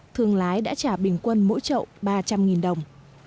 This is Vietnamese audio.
thương lái đã trả bình quân mỗi trậu ba trăm linh đồng